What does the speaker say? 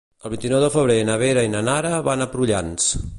El vint-i-nou de febrer na Vera i na Nara van a Prullans.